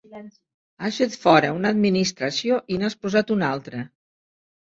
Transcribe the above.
Has fet fora una administració i n'has posat una altra.